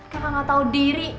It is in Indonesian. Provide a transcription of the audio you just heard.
kakak gak tahu diri